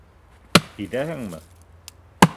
Һиҙәһеңме?